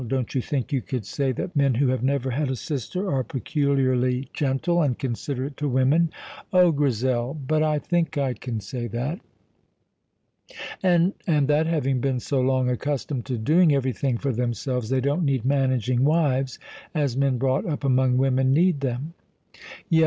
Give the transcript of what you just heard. Don't you think you could say that men who have never had a sister are peculiarly gentle and considerate to women?" "Oh, Grizel! But I think I can say that." "And and that having been so long accustomed to doing everything for themselves, they don't need managing wives as men brought up among women need them." "Yes.